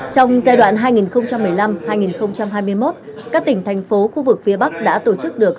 trong giai đoạn hai nghìn một mươi năm hai nghìn hai mươi một các tỉnh thành phố khu vực phía bắc đã tổ chức được